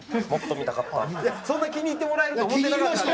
そんな気に入ってもらえると思ってなかったんで。